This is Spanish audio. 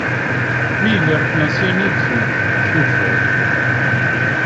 Miller nació en Ipswich, Suffolk.